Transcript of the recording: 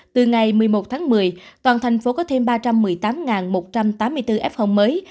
từ ngày một mươi một tháng một mươi toàn thành phố có thêm ba trăm một mươi tám một trăm tám mươi bốn fong mới